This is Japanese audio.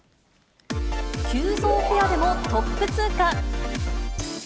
急造ペアでもトップ通過。